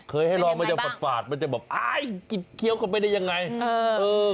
เคยให้ลองมันจะฝาดมันจะแบบอ๊ายเคี้ยวเข้าไปได้ยังไง